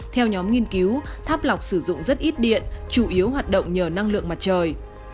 theo nhóm nghiên cứu tháp lọc sử dụng rất ít điện chủ yếu hoạt động nhờ năng lượng mặt trời